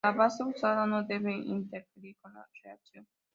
La base usada no debe interferir con la reacción.